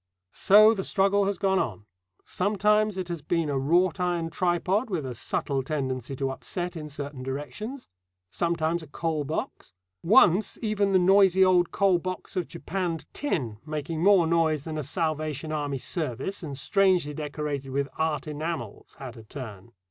So the struggle has gone on. Sometimes it has been a wrought iron tripod with a subtle tendency to upset in certain directions; sometimes a coal box; once even the noisy old coal box of japanned tin, making more noise than a Salvation Army service, and strangely decorated with "art" enamels, had a turn.